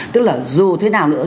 tức là dù thế nào nữa